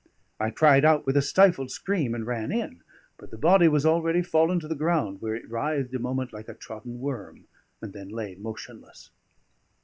I cried out with a stifled scream, and ran in; but the body was already fallen to the ground, where it writhed a moment like a trodden worm, and then lay motionless.